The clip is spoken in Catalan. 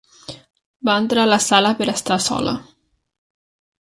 Va entrar a la sala per estar sola.